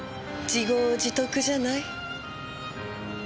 自業自得じゃない？